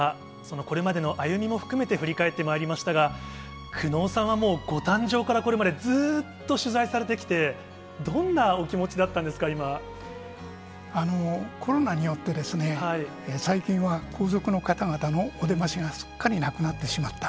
これまでの歩みも含めて振り返ってまいりましたが、久能さんはもう、ご誕生からこれまでずっと取材されてきて、どんなお気持ちだコロナによって、最近は皇族の方々のお出ましがすっかりなくなってしまった。